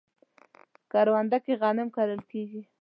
کرونده کې غنم کرل کیږي